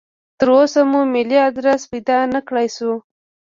تراوسه مو ملي ادرس پیدا نکړای شو.